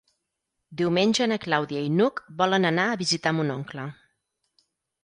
Diumenge na Clàudia i n'Hug volen anar a visitar mon oncle.